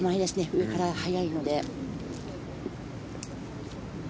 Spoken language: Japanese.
上から速いので。